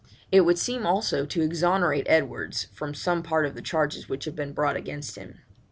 It would seem also to exonerate Edwards from some part of the charges which have been brought against him.